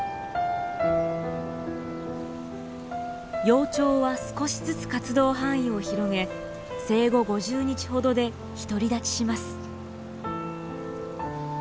幼鳥は少しずつ活動範囲を広げ生後５０日ほどで独り立ちします。